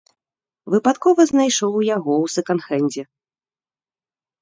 Выпадкова знайшоў яго ў сэканд-хэндзе.